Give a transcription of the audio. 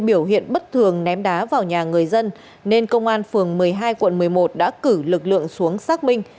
biểu hiện bất thường ném đá vào nhà người dân nên công an phường một mươi hai quận một mươi một đã cử lực lượng xuống xác minh